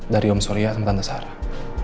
dari om surya sama tante sarah